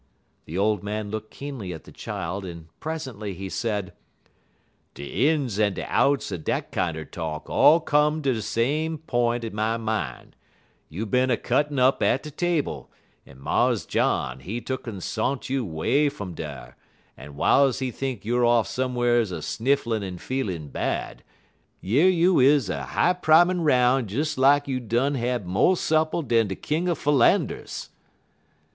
The old man looked keenly at the child, and presently he said: "De ins en de outs er dat kinder talk all come ter de same p'int in my min'. Youer bin a cuttin' up at de table, en Mars John, he tuck'n sont you 'way fum dar, en w'iles he think youer off some'rs a snifflin' en a feelin' bad, yer you is a high primin' 'roun' des lak you done had mo' supper dan de King er Philanders."